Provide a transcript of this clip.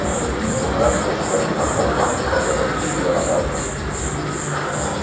Willard és pressionat pels bancs perquè renunciï a la casa.